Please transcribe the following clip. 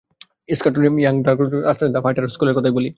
ইস্কাটনের young dragon martial art centre, the fighter স্কুলের কথাই বলি।